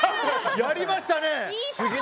やりましたね。